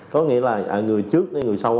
có nghĩa là người trước hay người sau